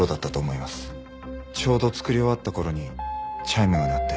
ちょうど作り終わった頃にチャイムが鳴って。